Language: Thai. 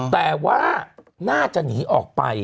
แต่ว่าน่าจะหนีออกไป